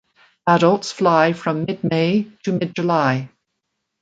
Adults fly from mid May to mid July.